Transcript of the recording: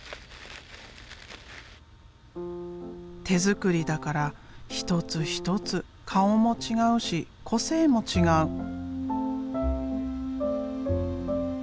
手作りだから一つ一つ顔も違うし個性も違う。